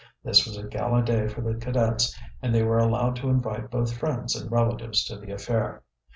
This was a gala day for the cadets and they were allowed to invite both friends and relatives to the affair.